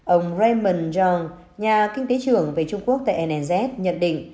ông raymond zhang nhà kinh tế trưởng về trung quốc tại anz nhận định